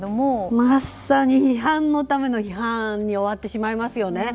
まさに、批判のための批判に終わってしまいますよね。